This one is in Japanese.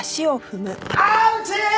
アウチー！